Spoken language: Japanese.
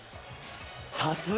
さすが。